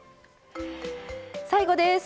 最後です。